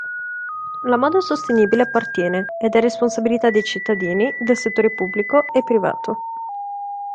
La moda sostenibile appartiene, ed è responsabilità dei cittadini, del settore pubblico e privato.